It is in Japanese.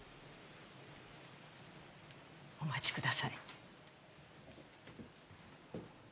お待ちください。